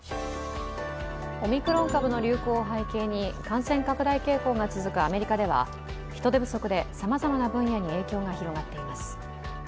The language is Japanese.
オミクロン株の流行を背景に感染拡大傾向が続くアメリカでは人手不足でさまざまな分野に影響が広がっています。